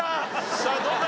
さあどうだ？